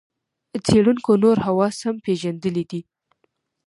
څېړونکو نور حواس هم پېژندلي دي.